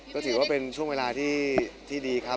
ก็ถือว่าเป็นช่วงเวลาที่ดีครับ